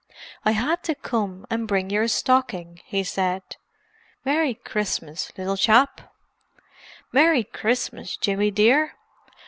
"I had to come and bring your stocking," he said. "Merry Christmas, little chap." "Merry Christmas, Jimmy dear."